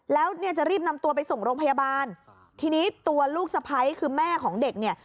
แล้วเนี่ยจะรีบนำตัวไปส่งโรงพยาบาลทีนี้ตัวลูกสะพ้ายคือแม่ของเด็กเนี่ย